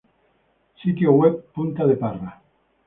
Sitio web Punta de Parra